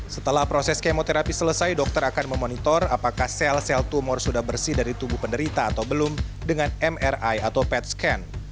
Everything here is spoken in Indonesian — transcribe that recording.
setelah proses kemoterapi selesai dokter akan memonitor apakah sel sel tumor sudah bersih dari tubuh penderita atau belum dengan mri atau pet scan